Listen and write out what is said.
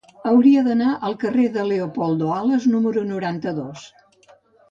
Hauria d'anar al carrer de Leopoldo Alas número noranta-dos.